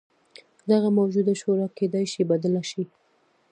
دغه موجوده شورا کېدای شي بدله شي.